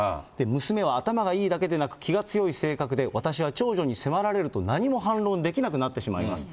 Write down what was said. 娘は頭がいいだけでなく、気が強い性格で、私は長女に迫られると、何も反論できなくなってしまいます。